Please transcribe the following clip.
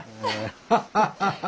ハハハハ！